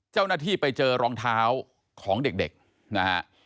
เจ้าหน้าที่ไปเจอรองเท้าของเด็กนะฮะ